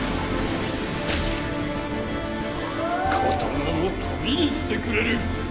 刀のさびにしてくれる！